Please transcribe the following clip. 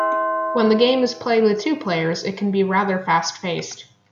When the game is played with two players, it can be rather fast-paced.